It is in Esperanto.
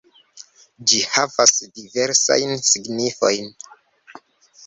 Ĝi havas diversajn signifojn.